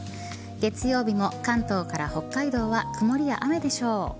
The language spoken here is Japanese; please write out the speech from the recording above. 月曜日も関東から北海道は曇りや雨でしょう。